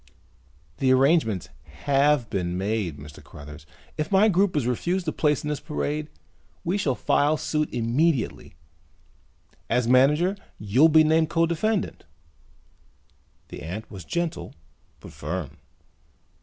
"The arrangements have been made, Mr. Cruthers. If my group is refused a place in this parade we shall file suit immediately. As manager you'll be named co defendant." The ant was gentle but firm.